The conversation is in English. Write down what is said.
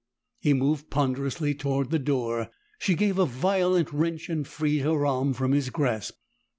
He moved ponderously toward the door; she gave a violent wrench and freed her arm from his grasp.